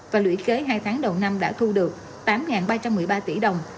và lũy kế hai tháng đầu năm đã thu được tám ba trăm một mươi ba tỷ đồng